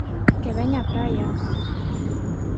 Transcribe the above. Que veña a praia!